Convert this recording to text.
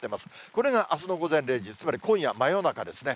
これがあすの午前０時、つまり今夜真夜中ですね。